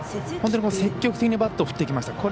本当に積極的にバットを振っていきました。